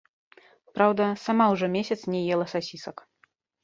Праўда, сама ўжо месяц не ела сасісак.